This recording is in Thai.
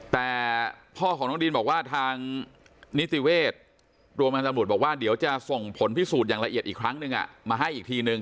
แต่พ่อของน้องดินบอกว่าทางนิติเวชโรงพยาบาลตำรวจบอกว่าเดี๋ยวจะส่งผลพิสูจน์อย่างละเอียดอีกครั้งนึงมาให้อีกทีนึง